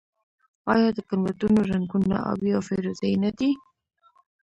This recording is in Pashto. آیا د ګنبدونو رنګونه ابي او فیروزه یي نه دي؟